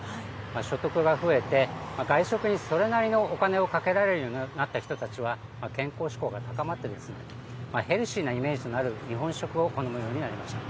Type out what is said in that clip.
所得が増えて、外食にそれなりのお金をかけられるようになった人たちは、健康志向が高まって、ヘルシーなイメージのある日本食を好むようになりました。